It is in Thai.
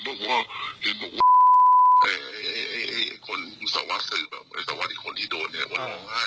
ทุกคนเดี๋ยวก็อ้อนไห้นี่ข่าวมานะ